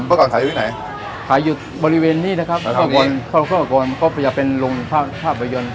เมื่อก่อนขายอยู่ไหนขายอยู่บริเวณนี้นะครับเขาก่อนเขาก่อนก็จะเป็นโรงภาพยนตร์